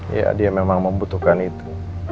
ya dia memang membutuhkan itu